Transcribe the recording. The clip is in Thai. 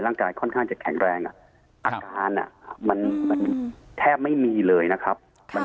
ร่างกายค่อนข้างจะแข็งแรงอาการมันแทบไม่มีเลยนะครับ